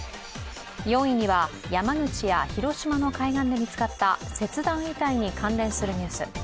４位には山口や広島の海岸で見つかった切断遺体に関連するニュース。